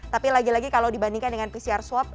tapi lagi lagi kalau dibandingkan dengan pcr swab